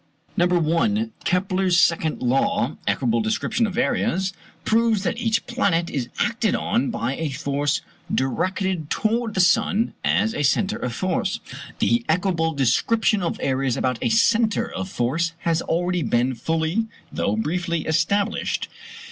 [Illustration: FIG. 70.] No. 1. Kepler's second law (equable description of areas) proves that each planet is acted on by a force directed towards the sun as a centre of force. The equable description of areas about a centre of force has already been fully, though briefly, established.